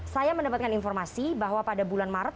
saya mendapatkan informasi bahwa pada bulan maret